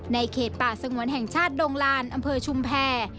เขตป่าสงวนแห่งชาติดงลานอำเภอชุมแพร